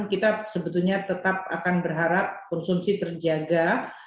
kita sebetulnya tetap akan berharap konsumsi terjaga